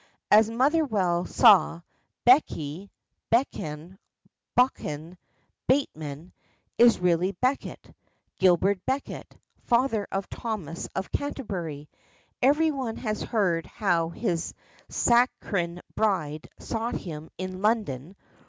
As Motherwell saw, Bekie (Beichan, Buchan, Bateman) is really Becket, Gilbert Becket, father of Thomas of Canterbury. Every one has heard how his Saracen bride sought him in London.